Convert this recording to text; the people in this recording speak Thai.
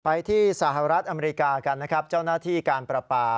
ไปที่สหรัฐอเมริกากันนะครับเจ้าหน้าที่การประปา